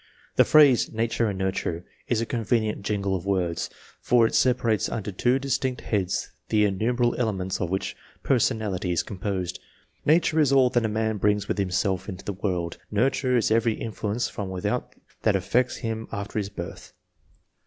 The phrase ''nature and nurture" is a con venient jingle of words, for it separates under two distinct heads the innumerable elements of which personality is composed. Nature is all that a man brings witli himself into the world ; nurture is every influence from without that affects him after his birth.